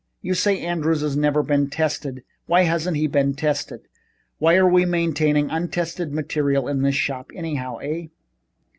You say Andrews has never been tested. Why hasn't he been tested? Why are we maintaining untested material in this shop, anyhow? Eh?